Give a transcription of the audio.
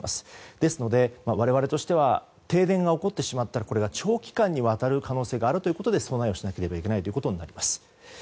ですので、我々としては停電が起こってしまったら長期間にわたる可能性があるということで備えをしなければいけないことになります。